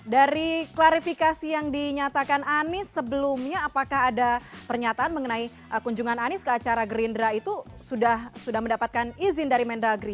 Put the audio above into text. dari klarifikasi yang dinyatakan anies sebelumnya apakah ada pernyataan mengenai kunjungan anies ke acara gerindra itu sudah mendapatkan izin dari mendagri